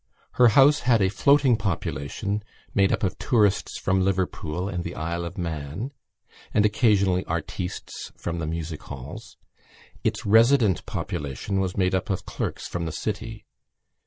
Her house had a floating population made up of tourists from Liverpool and the Isle of Man and, occasionally, artistes from the music halls. Its resident population was made up of clerks from the city.